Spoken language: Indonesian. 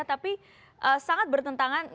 tapi sangat bertentangan